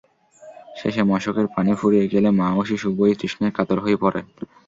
শেষে মশকের পানি ফুরিয়ে গেলে মা ও শিশু উভয়ে তৃষ্ণায় কাতর হয়ে পড়েন।